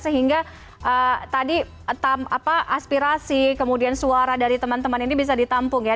sehingga tadi aspirasi kemudian suara dari teman teman ini bisa ditampung ya